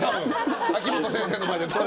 秋元先生の前で。